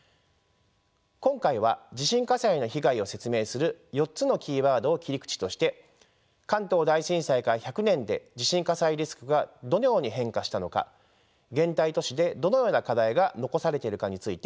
今回は地震火災の被害を説明する４つのキーワードを切り口として関東大震災から１００年で地震火災リスクがどのように変化したのか現代都市でどのような課題が残されているかについて説明しました。